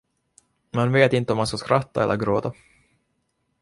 Man vet inte om man ska skratta eller gråta.